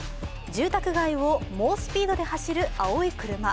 住宅街を猛スピードで走る青い車。